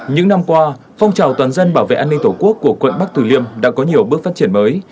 những năm qua phong trào toàn dân bảo vệ an ninh tổ quốc của quận bắc tử liêm đã có nhiều bước phát triển mới